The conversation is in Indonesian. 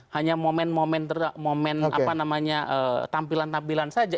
hanya momen momen momen apa namanya tampilan tampilan saja